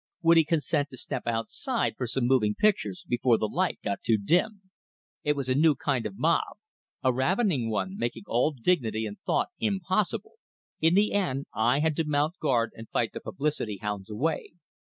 Would he consent to step outside for some moving pictures, before the light got too dim? It was a new kind of mob a ravening one, making all dignity and thought impossible. In the end I had to mount guard and fight the publicity hounds away.